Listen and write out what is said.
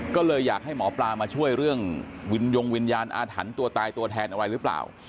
ก็เลยอยากให้หมอปลามาช่วยเรื่องวิญญงวิญญาณอาถรรพ์ตัวตายตัวแทนอะไรหรือเปล่า